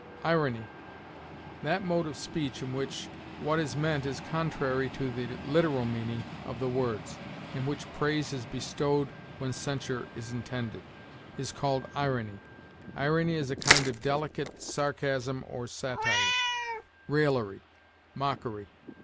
IRONY. That mode of speech in which what is meant is contrary to the literal meaning of the words in which praise is bestowed when censure is intended is called irony. Irony is a kind of delicate sarcasm or satire raillery, mockery.